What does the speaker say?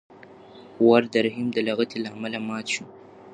ور د رحیم د لغتې له امله مات شو.